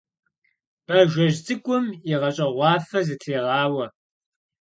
Бажэжь цӀыкӀум игъэщӀэгъуафэ зытрегъауэ.